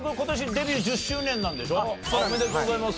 おめでとうございます。